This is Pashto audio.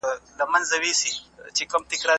د بازار خلګو ساعت کتلی دی.